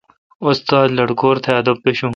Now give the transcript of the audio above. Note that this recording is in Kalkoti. استاد لٹکور تھ ادب مشو۔